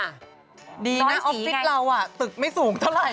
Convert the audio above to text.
น้อยสีไงดีงั้นออฟฟิคเราตึกไม่สูงเท่าไหร่